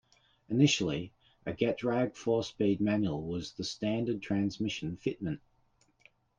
Initially, a Getrag four-speed manual was the standard transmission fitment.